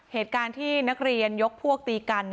เหตุการณ์ที่นักเรียนยกพวกตีกัน